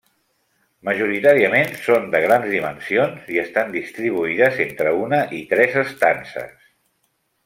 Majoritàriament són de grans dimensions i estan distribuïdes entre una i tres estances.